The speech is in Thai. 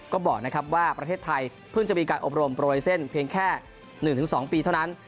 ก็บอกนะครับว่าประเทศไทยเพิ่งจะมีการอบรมโปรไลเซ็นต์เพียงแค่๑๒ปีเท่านั้น